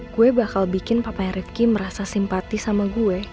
gue bakal bikin papanya rifqi merasa simpati sama gue